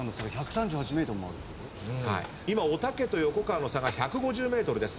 今おたけと横川の差が１５０ｍです。